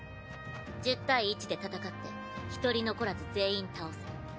１０対１で戦って１人残らず全員倒せ。